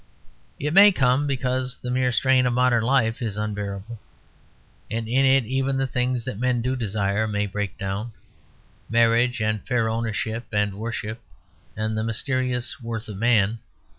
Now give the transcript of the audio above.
It may come because the mere strain of modern life is unbearable; and in it even the things that men do desire may break down; marriage and fair ownership and worship and the mysterious worth of man.